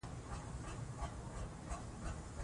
اداري نظام د ټولنې د ثبات سبب ګرځي.